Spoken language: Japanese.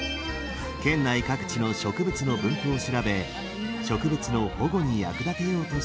県内各地の植物の分布を調べ植物の保護に役立てようとしています。